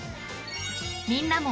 ［みんなも］